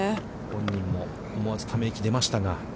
本人も思わずため息が出ましたが。